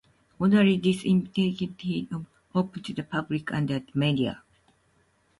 Ordinarily, this investigative hearing is open to the public and the media.